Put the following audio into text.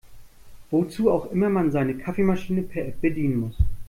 Wozu auch immer man seine Kaffeemaschine per App bedienen muss.